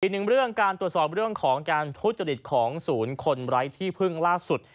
อีกหนึ่งเรื่องการตรวจสอบเรื่องของการทุจริตของศูนย์คนไร้ที่พึ่งล่าสุด